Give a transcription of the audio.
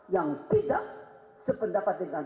yang tidak sependapat dengan